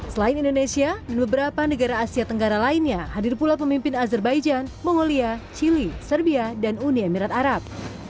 selain indonesia dan beberapa negara asia tenggara lainnya hadir pula pemimpin azerbaijan mongolia chile serbia dan uni emirat arab